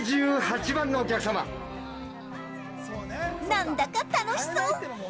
何だか楽しそう。